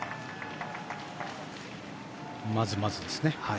まずまずですね。